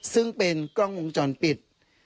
ซึ่งเป็นกล้องวงจรปิด